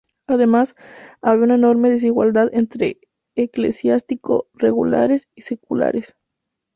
Además, había una enorme desigualdad entre eclesiástico regulares y seculares.